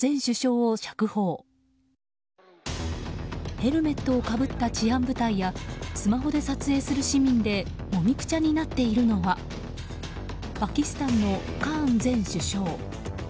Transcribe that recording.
ヘルメットをかぶった治安部隊やスマホで撮影する市民でもみくちゃになっているのはパキスタンのカーン前首相。